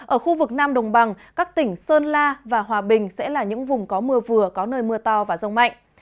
ở khu vực nam đồng bằng các tỉnh sơn la và hòa bình sẽ là những vùng có mưa vừa có nơi mưa to và rông mạnh